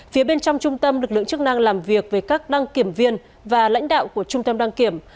phía bên trong trung tâm lực lượng chức năng làm việc với các đăng kiểm viên và lãnh đạo của trung tâm đăng kiểm